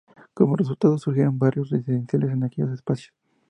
Como resultado, surgieron barrios residenciales en aquellos espacios.